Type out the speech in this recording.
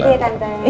ya deh tante